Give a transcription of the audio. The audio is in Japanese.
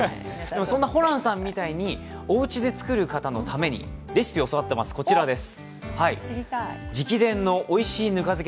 そんなホランさんみたいにおうちで作る方のためにレシピを教わっています、こちらです。